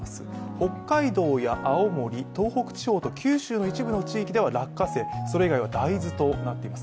北海道や青森、東北地方と九州の一部の地域では落花生それ以外は大豆となっています。